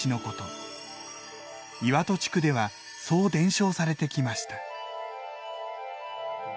岩戸地区ではそう伝承されてきました。